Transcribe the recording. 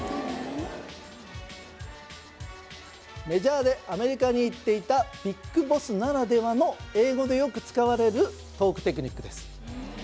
メジャーでアメリカに行っていたＢＩＧＢＯＳＳならではの英語でよく使われるトークテクニックです